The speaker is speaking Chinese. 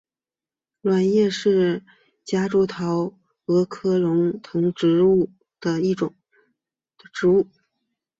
卵叶白前是夹竹桃科鹅绒藤属的植物。